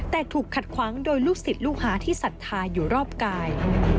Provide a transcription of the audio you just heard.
แต่ถูกขัดขวางโดยลูกศิษย์ลูกหาที่ศรัทธาอยู่รอบกาย